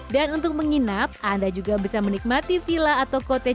dan untuk menginap anda juga bisa menikmati vila atau kotoran